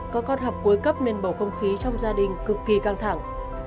có con học cuối cấp nên bầu không khí trong gia đình cực kỳ căng thẳng